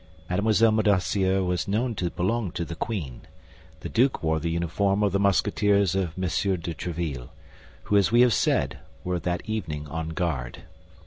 Mme. Bonacieux was known to belong to the queen; the duke wore the uniform of the Musketeers of M. de Tréville, who, as we have said, were that evening on guard.